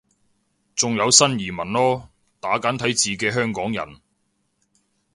仲有新移民囉，打簡體字嘅香港人